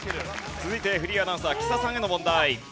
続いてフリーアナウンサー木佐さんへの問題。